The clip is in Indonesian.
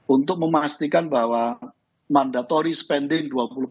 untuk memastikan bahwa mandatory spending dua puluh empat